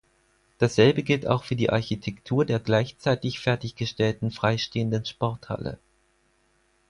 Dasselbe gilt auch für die Architektur der gleichzeitig fertiggestellten freistehenden Sporthalle.